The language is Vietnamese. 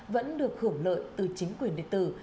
vẫn được hưởng lợi từ chính quyền địa tử